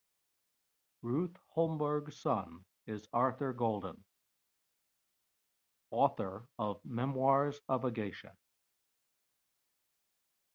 Ruth Holmberg's son is Arthur Golden, author of "Memoirs of a Geisha".